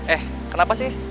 eh kenapa sih